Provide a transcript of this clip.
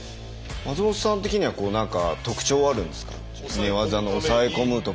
松本さん的にはこう何か特徴はあるんですか？